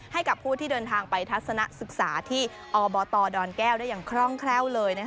ให้กับผู้ที่เดินทางไปทัศนะศึกษาที่อบตดอนแก้วได้อย่างคร่องแคล่วเลย